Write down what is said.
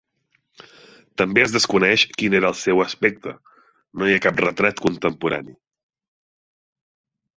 També es desconeix quin era el seu aspecte, no hi ha cap retrat contemporani.